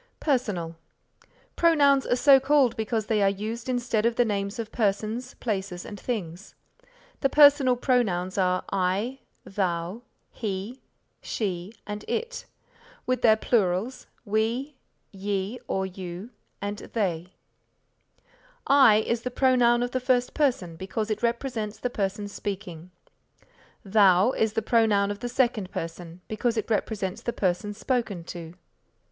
Personal Pronouns are so called because they are used instead of the names of persons, places and things. The Personal Pronouns are I, Thou, He, She, and It, with their plurals, We, Ye or You and They. I is the pronoun of the first person because it represents the person speaking. Thou is the pronoun of the second person because it represents the person spoken to.